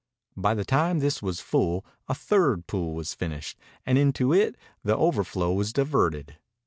By the time this was full a third pool was finished, and into it the overflow was diverted.